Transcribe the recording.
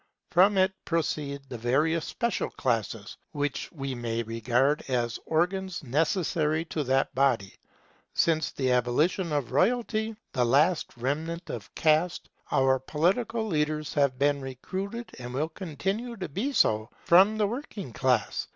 From it proceed the various special classes, which we may regard as organs necessary to that body. Since the abolition of royalty, the last remnant of caste, our political leaders have been recruited, and will continue to be so, from the working class.